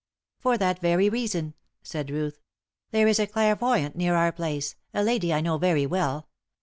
"For that very reason," said Ruth. "There is a clairvoyant near our place, a lady I know very well.